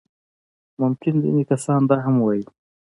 ممکن ځينې کسان دا هم ووايي.